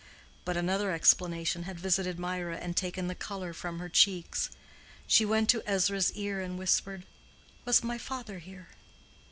But another explanation had visited Mirah and taken the color from her cheeks. She went to Ezra's ear and whispered "Was my father here?"